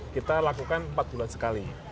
kita lakukan empat bulan sekali